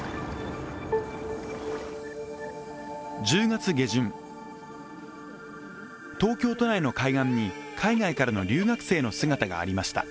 １０月下旬、東京都内の海岸に海外からの留学生の姿がありました。